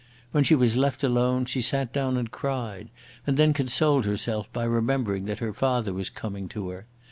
When she was left alone she sat down and cried, and then consoled herself by remembering that her father was coming to her.